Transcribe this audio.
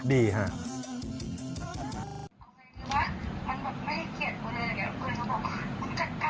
ดีค่ะ